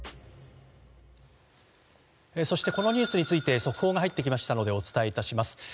このニュースについて速報が入ってきましたのでお伝えいたします。